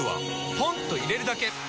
ポンと入れるだけ！